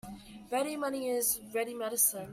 Ready money is ready medicine.